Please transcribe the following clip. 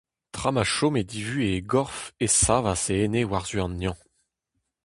Tra ma chome divuhez e gorf e savas e ene war-zu an neñv.